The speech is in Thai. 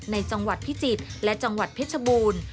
ในจังหวัดพิจิตรและจังหวัดเพชรบูรณ์